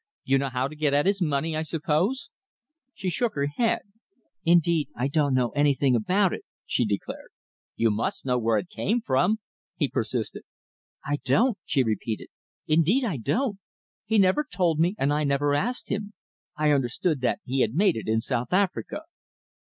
You know how to get at his money, I suppose?" She shook her head. "Indeed I don't know anything about it," she declared. "You must know where it came from," he persisted. "I don't," she repeated. "Indeed I don't. He never told me and I never asked him. I understood that he had made it in South Africa."